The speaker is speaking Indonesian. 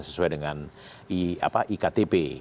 sesuai dengan iktp